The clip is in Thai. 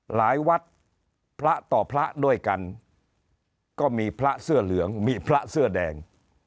หลายวัดพระต่อพระด้วยกันก็มีพระเสื้อเหลืองมีพระเสื้อแดง